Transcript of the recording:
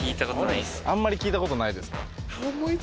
あんまり聞いたことないですか。